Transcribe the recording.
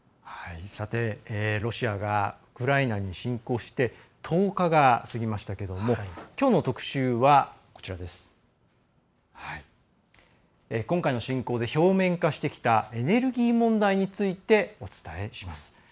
ロシアがウクライナに侵攻して１０日が過ぎましたけれどもきょうの特集は今回の侵攻で表面化してきたエネルギー問題についてお伝えします。